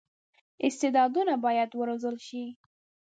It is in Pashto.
استعدادونه باید وروزل شي.